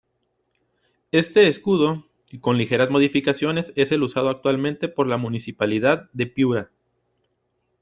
Este escudo, con ligeras modificaciones es el usado actualmente por la Municipalidad de Piura.